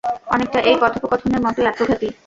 অনেকটা এই কথোপকথনের মতোই আত্মঘাতী!